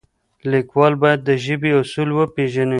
لیکوال باید د ژبې اصول وپیژني.